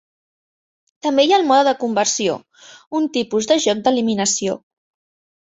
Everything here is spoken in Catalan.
També hi ha el mode de conversió, un tipus de joc d'eliminació.